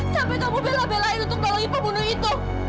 sampai kamu bela belain untuk tolong ibu bunuh itu